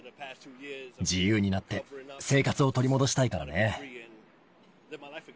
自由になって、生活を取り戻したいからね。